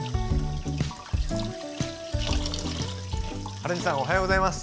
はるみさんおはようございます。